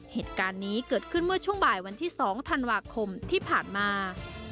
เหตุการณ์นี้เกิดขึ้นเมื่อช่วงบ่ายวันที่๒ธันวาคมที่ผ่านมา